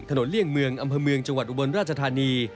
เลี่ยงเมืองอำเภอเมืองจังหวัดอุบลราชธานี